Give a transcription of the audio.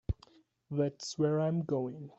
That's where I'm going.